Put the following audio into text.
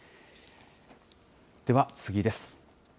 では次です。